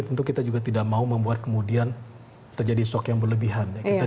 tentu kita juga tidak mau membuat kemudian terjadi shock yang berlebihan